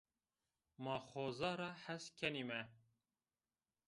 Ma xoza ra hes kenîme